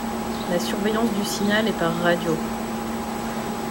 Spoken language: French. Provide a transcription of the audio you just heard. La surveillance du signal est par radio.